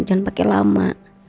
jangan pake lama